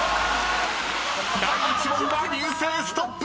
［第１問は竜星ストップ！